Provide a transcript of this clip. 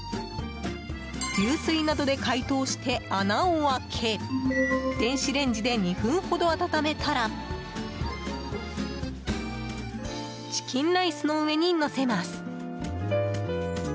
流水などで解凍して、穴を開け電子レンジで２分ほど温めたらチキンライスの上にのせます。